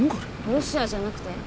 ロシアじゃなくて？